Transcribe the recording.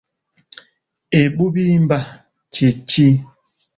Ebubbimba kye ki?